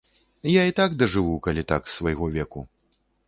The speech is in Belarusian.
Я і так дажыву, калі так, свайго веку.